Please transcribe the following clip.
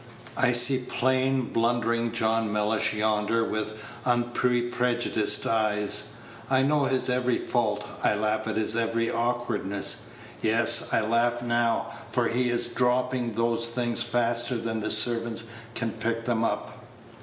I see plain, blundering John Mellish yonder with unprejudiced eyes; I know his every fault, I laugh at his every awkwardness. Yes, I laugh now, for he is dropping those things faster than the servants can pick them up."